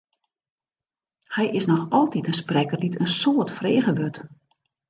Hy is noch altyd in sprekker dy't in soad frege wurdt.